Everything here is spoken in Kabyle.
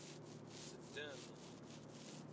Teddam.